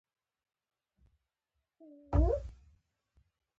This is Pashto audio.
الف ډله دې د ابومسلم د پاڅون لاملونه ووایي.